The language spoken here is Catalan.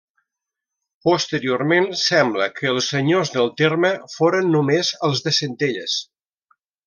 Posteriorment, sembla que els senyors del terme foren només els de Centelles.